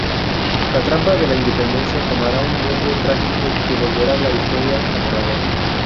La trampa de la interdependencia tomará un rumbo trágico que volverá la historia aterradora.